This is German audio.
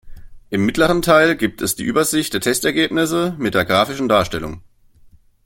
Im mittleren Teil gibt es die Übersicht der Testergebnisse mit der graphischen Darstellung.